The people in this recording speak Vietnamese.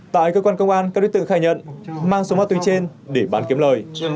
tại cơ quan công an các đối tượng khai nhận mang số ma túy trên để bán kiếm lời